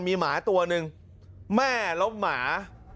มีหมาตัวหนึ่งแม่แล้วหมา